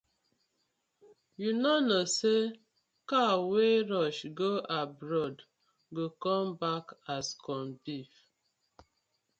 Yu no kno say cow wey rush go abroad go come back as corn beef.